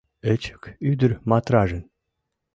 Эчук ӱдыр Матражын